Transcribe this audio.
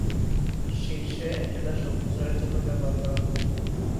শীর্ষে অ্যান্টেনা সম্প্রচারের জন্য ব্যবহার করা হবে।